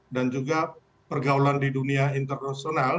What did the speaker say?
dan juga pergaulan di dunia internasional